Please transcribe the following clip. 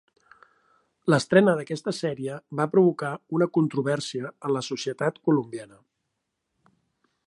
L'estrena d'aquesta sèrie va provocar una controvèrsia en la societat colombiana.